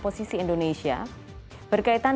posisi indonesia berkaitan